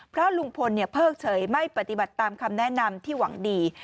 เพราะลุงพลเพิกเฉยไม่ปฏิบัติตามคำแนะนำที่หวังดี